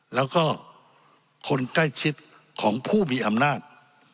แล้วก็คนใกล้ชิดของผู้มีอำนาจ